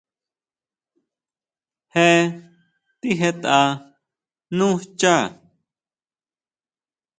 Je tijetʼa nú xchá.